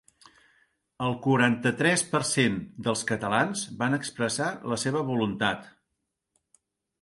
El quaranta-tres per cent dels catalans van expressar la seva voluntat.